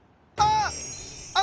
あ！